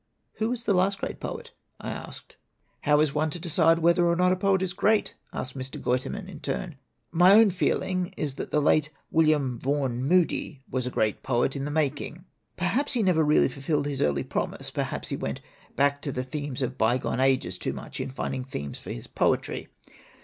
"Who was the last great poet?" I asked. "How is one to decide whether or not a poet is great?" asked Mr. Guiterman in turn. "My own feeling is that the late William Vaughn Moody was a great poet in the making. Perhaps he never really fulfilled his early promise; perhaps he went back to the themes of bygone ages too much in finding themes for his poetry.